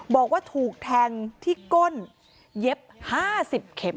บอกว่าถูกแทงที่ก้นเย็บ๕๐เข็ม